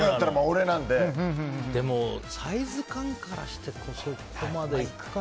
でも、サイズ感からしてそこまでいくかな。